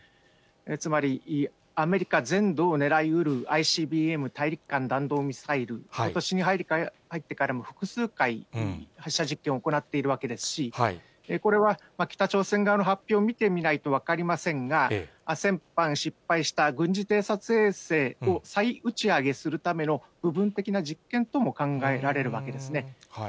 つまりアメリカ全土を狙いうるＩＣＢＭ・大陸間弾道ミサイル、ことしに入ってからも複数回、発射実験を行っているわけですし、これは北朝鮮側の発表を見てみないと分かりませんが、先般失敗した軍事偵察衛星を再打ち上げするための部分的な実験とも考えられるわけですね。